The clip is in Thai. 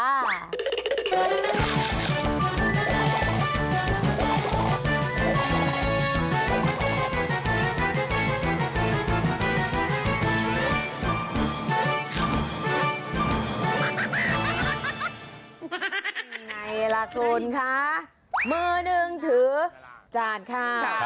ไงล่ะคุณคะมือหนึ่งถือจานค่ะ